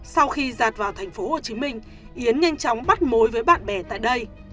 sau khi giặt vào thành phố hồ chí minh yến nhanh chóng bắt mối với bạn bè tại đây